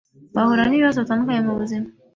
bahura n’ibibazo bitandukanye mu buzima,